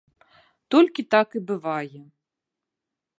Толькі так і бывае.